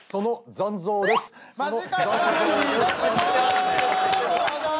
残像でーす。